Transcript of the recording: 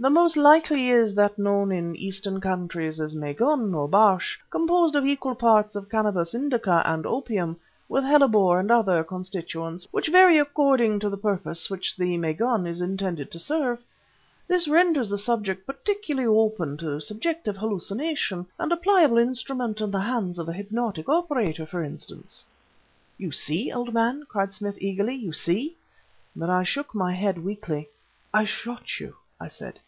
The most likely is that known in Eastern countries as maagûn or barsh, composed of equal parts of cannabis indica and opium, with hellebore and two other constituents, which vary according to the purpose which the maagûn is intended to serve. This renders the subject particularly open to subjective hallucination, and a pliable instrument in the hands of a hypnotic operator, for instance." "You see, old man?" cried Smith eagerly. "You see?" But I shook my head weakly. "I shot you," I said.